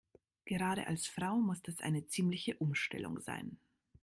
Gerade als Frau muss das eine ziemliche Umstellung sein.